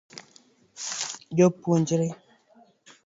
Jopuonjre